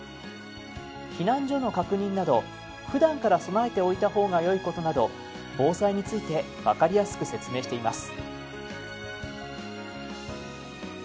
避難所の確認などふだんから備えておいた方がよいことなど防災について分かりやすく説明しています。